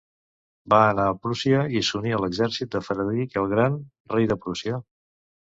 Va anar a Prússia i s'uní a l'exèrcit de Frederic el Gran, Rei de Prússia.